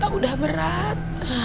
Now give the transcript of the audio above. mata udah berat